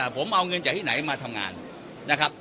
ผมเอาเงินจากที่ไหนมาทำงาน